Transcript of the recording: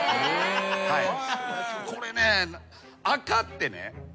これね赤ってね